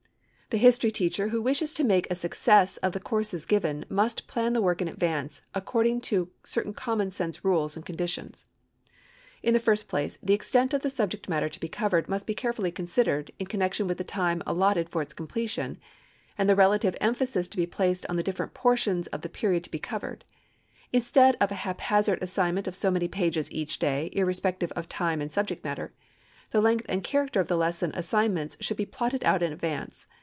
The history teacher who wishes to make a success of the courses given must plan the work in advance according to certain common sense rules and conditions. In the first place, the extent of the subject matter to be covered must be carefully considered in connection with the time allotted for its completion, and the relative emphasis to be placed on the different portions of the period to be covered. Instead of a haphazard assignment of so many pages each day irrespective of time and subject matter, the length and character of the lesson assignments should be plotted out in advance.